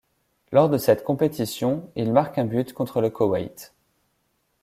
Lors de cette compétition, il marque un but contre le Koweït.